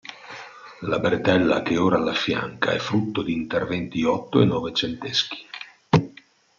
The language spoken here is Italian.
La bretella che ora l'affianca è frutto di interventi otto e novecenteschi.